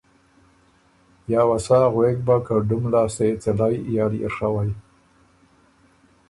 یا وه سا غوېک بۀ که ډُم لاسته يې څلئ یا ليې ڒوئ۔